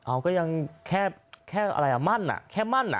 อ้าวก็ยังแค่มั่นอ่ะ